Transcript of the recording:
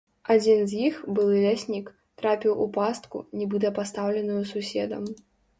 Адзін з іх, былы ляснік, трапіў у пастку, нібыта пастаўленую суседам.